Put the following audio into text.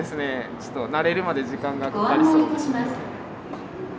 ちょっと慣れるまで時間がかかりそうですね。